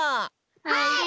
はい！